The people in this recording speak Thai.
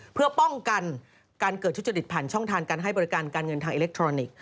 เพื่อป้องกันการเกิดทุจริตผ่านช่องทางการให้บริการการเงินทางอิเล็กทรอนิกส์